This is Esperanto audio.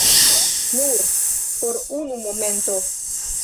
Nur por unu momento.